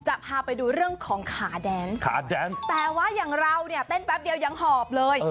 จะพาไปดูเรื่องของขาแดนขาแดนแต่ว่าอย่างเราเนี่ยเต้นแป๊บเดียวยังหอบเลย